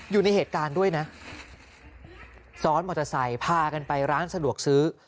อยู่ในเหตุการณ์ด้วยนะซ้อนมอเตอร์ไซค์พากันไปร้านสะดวกซื้อ